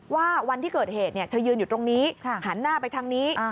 วันที่เกิดเหตุเธอยืนอยู่ตรงนี้หันหน้าไปทางนี้